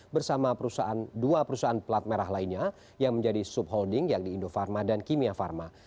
bersama dua perusahaan plat merah lainnya yang menjadi sub holding yang di indofarma dan kimia farma